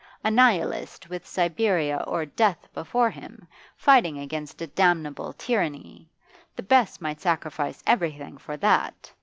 A Nihilist, with Siberia or death before him, fighting against a damnable tyranny the best might sacrifice everything for that.